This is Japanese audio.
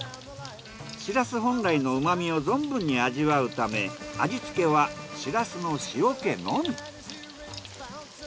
しらす本来の旨みを存分に味わうため味付けはしらすの塩気のみ。